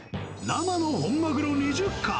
生の本マグロ２０貫。